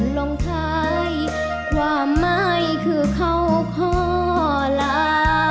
หล่องท้ายความหมายคือเขาขอลา